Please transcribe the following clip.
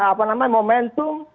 apa namanya momentum